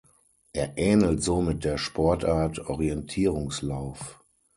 Er ähnelt somit der Sportart Orientierungslauf.